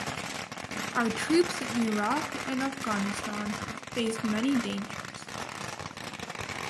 Our troops in Iraq and Afghanistan faced many dangers.